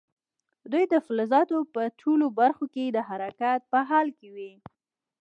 دوی د فلزاتو په ټولو برخو کې د حرکت په حال کې وي.